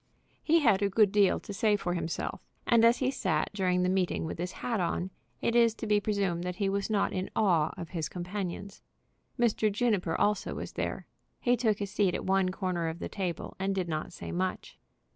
He had a good deal to say for himself; and as he sat during the meeting with his hat on, it is to be presumed that he was not in awe of his companions. Mr. Juniper also was there. He took a seat at one corner of the table, and did not say much.